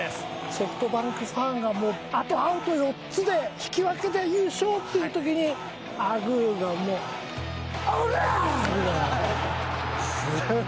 ソフトバンクファンがあとアウト４つで引き分けで優勝っていう時にアグーがもうオラー！みたいな。